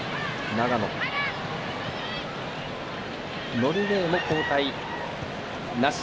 ノルウェーも交代なし。